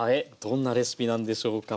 どんなレシピなんでしょうか。